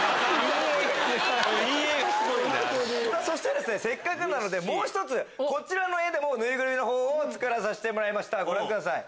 そしてせっかくなのでもう一つこちらの絵でもぬいぐるみのほうを作らせてもらいました。